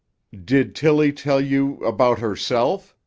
"Did Tilly tell you—about herself?"